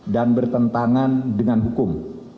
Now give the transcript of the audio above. dan bertentangan dengan hukum